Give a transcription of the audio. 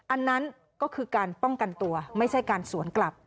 อันนั้นก็คือการป้องกันตัวไม่ใช่การสวนกลับ